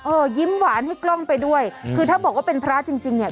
ยิ้มหวานให้กล้องไปด้วยคือถ้าบอกว่าเป็นพระจริงจริงเนี่ย